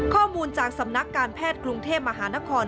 ข้อมูลจากสำนักการแพทย์กรุงเทพมหานคร